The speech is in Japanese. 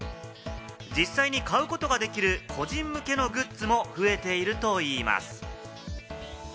実際に買うことができる個人向けのグッズも増えているといいます。